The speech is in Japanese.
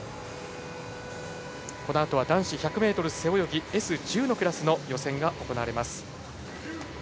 このあとは男子１００ｍ背泳ぎＳ１０のクラスの予選が行われます。